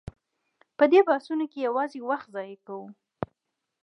په دې بحثونو کې یوازې وخت ضایع کوو.